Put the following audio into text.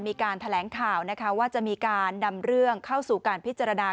มีการแถลงข่าวนะคะว่าจะมีการนำเรื่องเข้าสู่การพิจารณา